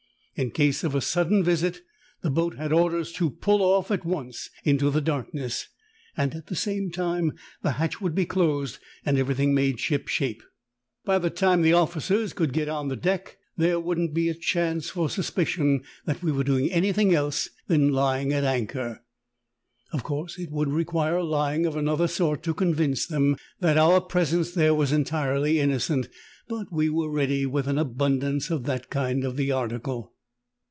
Incase of a sudden visit the boat had orders to pull off at once into the darkness, and at the same time the hatch would be closed and everything made ship shape. By the time the officers could get on the deck there wouldn't be a chance for suspicion that 84 THE TALKING HANDKERCHIEF. we were doing anything else than lying at anchor. Of course it would require lying of another sort to convince them that our presence there was entirely innocent, but we were ready with an abundance of that kind of the article.